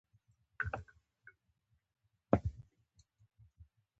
پر فقر د شتمنۍ